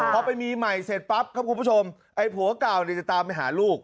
พอไปมีใหม่เสร็จปั๊บครับคุณผู้ชมไอ้ผัวเก่าเนี่ยจะตามไปหาลูก